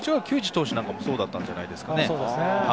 投手なんかもそうだったんじゃないですかね。